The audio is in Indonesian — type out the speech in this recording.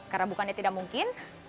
karena bukannya tidak mungkin